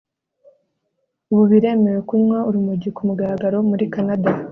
Ubu biremewe kunywa urumogi ku mugaragaro muri Canada